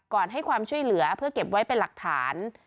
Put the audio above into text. ให้ความช่วยเหลือเพื่อเก็บไว้เป็นหลักฐาน